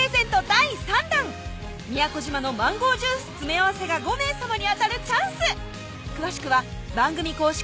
第三弾宮古島のマンゴージュース詰め合わせが５名様に当たるチャンス詳しくは番組公式